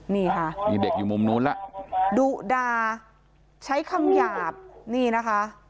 นี่ค่ะมีเด็กอยู่มุมนู้นแล้วดุดาใช้คำหยาบนี่นะคะ